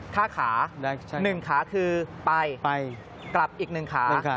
ค่าขาหนึ่งขาคือไปกลับอีกหนึ่งขา